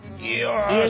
よし。